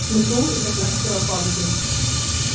The fruit is a cluster of follicles.